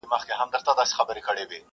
وجود بار لري هر کله په تېرو تېرو ازغیو,